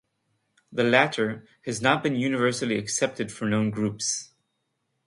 The latter has not been universally accepted for known groups.